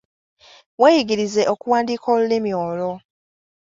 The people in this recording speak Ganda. Weeyigirize okuwandiika olulimi olwo.